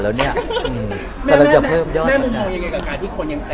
เรามีมุมมองยังไง